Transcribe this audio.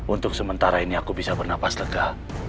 untuk sementara ini aku bisa bernapas lega